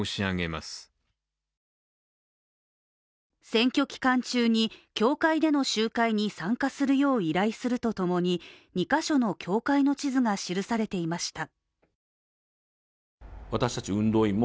選挙期間中に教会での集会に参加するよう依頼するとともに、２ヶ所の教会の地図が記されていました。